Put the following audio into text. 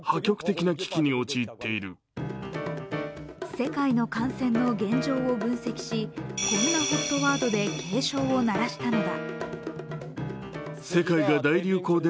世界の感染の現状を分析し、こんなＨＯＴワードで警鐘を鳴らしたのだ。